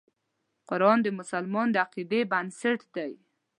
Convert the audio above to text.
قرآن د مسلمان د عقیدې بنسټ دی.